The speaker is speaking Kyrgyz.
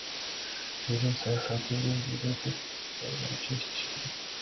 Биздин саясат, биздин президенттер кыргыздар үчүн иштеши керек.